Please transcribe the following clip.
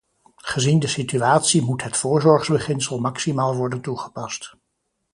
Gezien de situatie moet het voorzorgbeginsel maximaal worden toegepast.